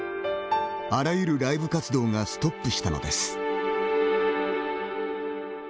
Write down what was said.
あらゆるライブ活動もストップしたのです。